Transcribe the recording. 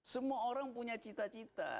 semua orang punya cita cita